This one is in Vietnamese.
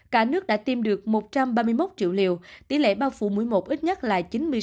cả nước đã tiêm được một trăm ba mươi một triệu liều tỷ lệ bao phủ mũi một ít nhất là chín mươi sáu bốn